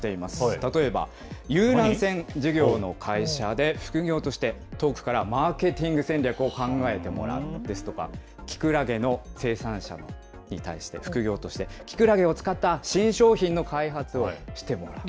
例えば、遊覧船事業の会社で、副業として、遠くからマーケティング戦略を考えてもらうですとか、きくらげの生産者に対して、副業として、きくらげを使った新商品の開発をしてもらう。